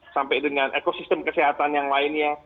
sampai dengan ekosistem kesehatan yang lainnya